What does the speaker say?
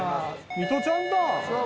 ミトちゃんだ！